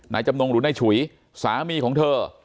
นายจำนงหรุ่นได้ฉุยสามีของเธอ